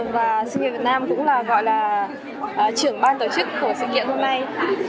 và sinh viên việt nam cũng là gọi là trưởng ban tổ chức của sự kiện hôm nay